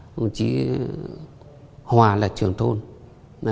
đồng chí hòa là trưởng thôn